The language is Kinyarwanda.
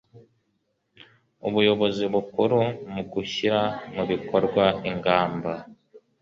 ubuyobozi bukuru mu gushyira mu bikorwa ingamba